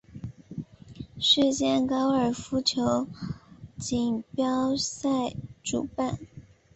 世界高尔夫球锦标赛主办。